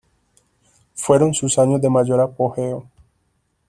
Fueron sus años de mayor apogeo.